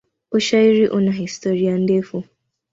Ushairi una historia ndefu.